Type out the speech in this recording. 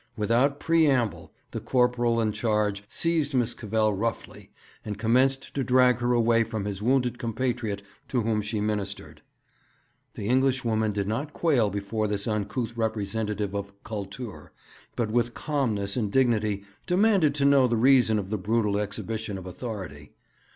Without preamble the corporal in charge seized Miss Cavell roughly, and commenced to drag her away from his wounded compatriot to whom she ministered. The Englishwoman did not quail before this uncouth representative of 'Kultur,' but with calmness and dignity demanded to know the reason of the brutal exhibition of authority.